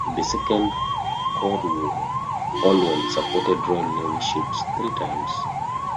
In the Second Cod War, "Olwen" supported Royal Navy ships three times.